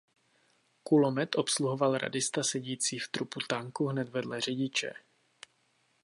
Kulomet obsluhoval radista sedící v trupu tanku hned vedle řidiče.